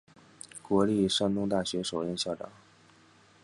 国立山东大学首任校长。